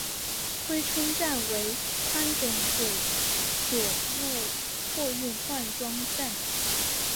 珲春站为宽准轨铁路货运换装站。